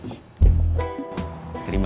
saya mau ke rumah